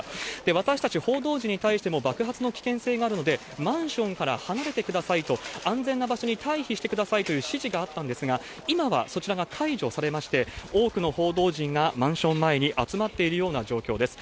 私たち報道陣に対しても、爆発の危険性があるので、マンションから離れてくださいと、安全な場所に退避してくださいという指示があったんですが、今はそちらが解除されまして、多くの報道陣がマンション前に集まっているような状況です。